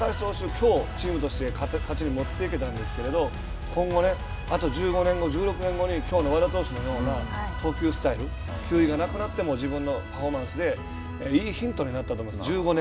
きょう、チームとして勝ちに持っていけたんすけれども今後あと１５年後１６年後にきょうの和田投手のような投球スタイル球威がなくても自分のパフォーマンスでいいヒントになったと思います。